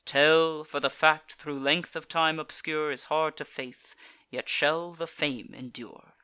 Tell: for the fact, thro' length of time obscure, Is hard to faith; yet shall the fame endure.